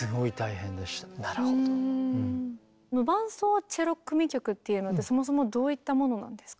「無伴奏チェロ組曲」っていうのってそもそもどういったものなんですか？